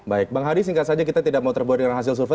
baik bang hadi singkat saja kita tidak mau terbuat dengan hasil survei